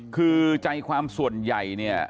คือใจความส่วนใหญ่เนี่ย